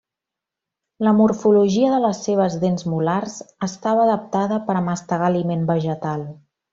La morfologia de les seves dents molars estava adaptada per a mastegar aliment vegetal.